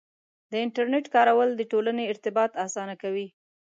د انټرنیټ کارول د ټولنې ارتباط اسانه کوي.